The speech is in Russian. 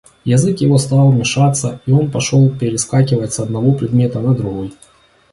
Язык его стал мешаться, и он пошел перескакивать с одного предмета на другой.